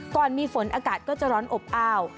ก่อนมีฝนอากาศก็จะร้อนอบอ้าว